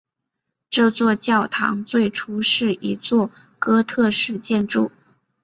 这座教堂最初是一座哥特式建筑。